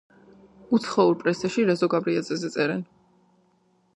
უცხოურ პრესაში რეზო გაბრიაძეზე წერენ: